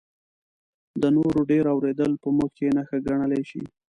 د نورو ډېر اورېدل په موږ کې نښه ګڼلی شي.